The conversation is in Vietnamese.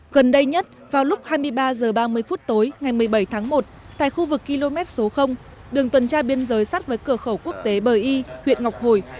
gần đây nhất vào lúc hai mươi ba h ba mươi phút tối ngày một mươi bảy tháng một tại khu vực km số đường tuần tra biên giới sát với cửa khẩu quốc tế bờ y huyện ngọc hồi